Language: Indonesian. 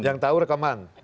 yang tahu rekaman